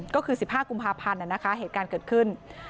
ก็คือ๑๕กุมภาพันธุ์เนี่ยนะคะเหตุการณ์เกิดขึ้น